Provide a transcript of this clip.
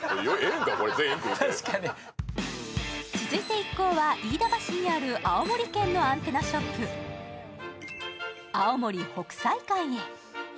続いて一行は、飯田橋にある青森県のアンテナショップ、あおもり北彩館へ。